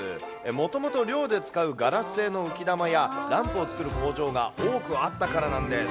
もともと漁で使うガラス製の浮き玉や、ランプを作る工場が多くあったからなんです。